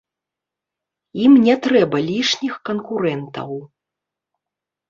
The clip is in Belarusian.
Ім не трэба лішніх канкурэнтаў.